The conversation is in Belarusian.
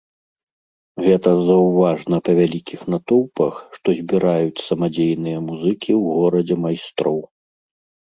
Гэта заўважна па вялікіх натоўпах, што збіраюць самадзейныя музыкі ў горадзе майстроў.